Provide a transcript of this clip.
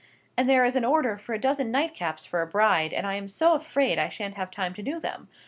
And there is an order for a dozen nightcaps for a bride, and I am so afraid I shan't have time to do them.